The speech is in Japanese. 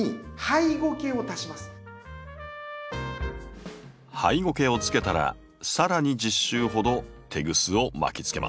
ハイゴケをつけたら更に１０周ほどテグスを巻きつけます。